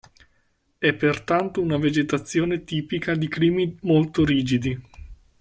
È pertanto una vegetazione tipica di climi molto rigidi.